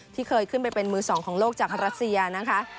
ที่เคยขึ้นไปเป็นมือสองของโลกจากรัสเซียนะคะ